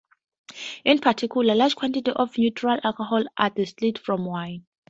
In particular, large quantities of neutral alcohol are distilled from wine.